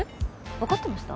分かってました？